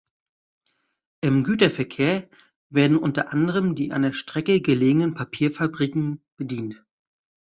Im Güterverkehr werden unter anderem die an der Strecke gelegenen Papierfabriken bedient.